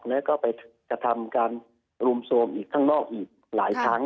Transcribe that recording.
แล้วก็ไปกระทำการรุมโทรมอีกข้างนอกอีกหลายครั้ง